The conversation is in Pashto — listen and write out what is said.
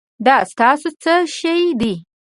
دا ستاسو څه شی دی؟